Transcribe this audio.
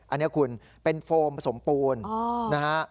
อันนี้คุณเป็นโฟมผสมปูนนะฮะ